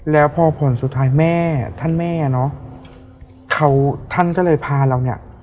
แล้วพอผลสุดท้ายแม่ท่านแม่